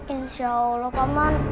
insya allah paman